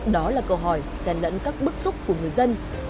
đó là câu hỏi gian lẫn các bức xúc của người dân